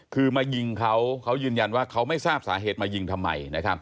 คือมายิงเขาเขายืนยันว่าเขาไม่ทราบสาเหตุมายิงทำไม